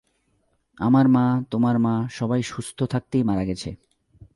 আমার মা, তোমার মা, সবাই সুস্থ থাকতেই মারা গেছে।